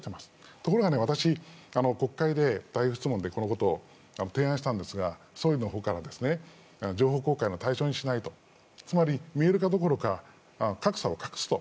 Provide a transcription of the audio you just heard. ところが私、国会で代表質問でこのことを提案したんですが情報公開の対象にしないとつまり見える化どころか格差を隠すと。